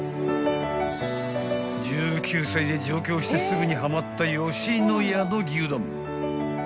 ［１９歳で上京してすぐにはまった野家の牛丼］